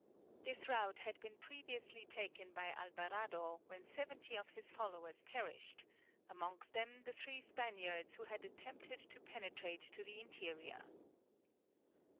This route had been previously taken by Alvarado, when seventy of his followers perished; amongst them, the three Spaniards who had attempted to penetrate to the interior.